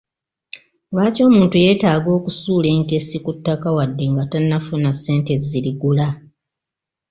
Lwaki omuntu yeetaaga okusuula enkessi ku ttaka wadde nga tannafuna ssente zirigula?